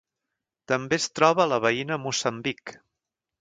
També es troba a la veïna Moçambic.